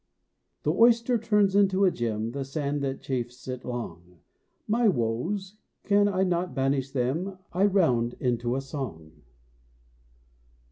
The oyster turns into a gem The sand that chafes it long; My woes, can I not banish them, I round into a song.